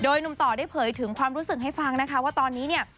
หนุ่มต่อได้เผยถึงความรู้สึกให้ฟังนะคะว่าตอนนี้เนี่ย